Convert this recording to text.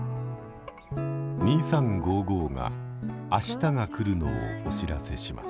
「２３」が明日が来るのをお知らせします。